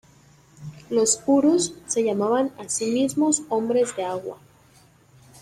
Los urus se llamaban a sí mismos "hombres de agua".